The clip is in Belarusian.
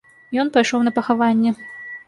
Ён пайшоў на пахаванне.